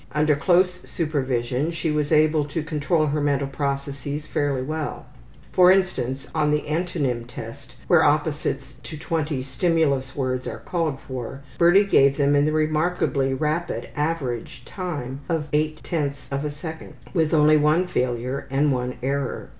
Under close supervision she was able to control her mental processes fairly well. For instance, on the antonym test, where opposites to twenty stimulus words are called for, Birdie gave them in the remarkably rapid average time of .8 of a second, with only one failure and one error.